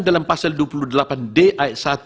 dalam pasal dua puluh delapan d ayat satu